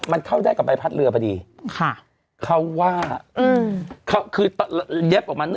มันเข้าได้กับใบพัดเรือพอดีค่ะเขาว่าอืมเขาคือเย็บออกมา